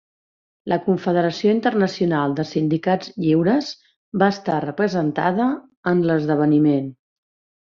La Confederació Internacional de Sindicats Lliures va estar representada en l'esdeveniment.